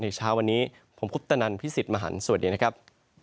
เช้าวันนี้ผมคุปตนันพี่สิทธิ์มหันฯสวัสดีนะครับ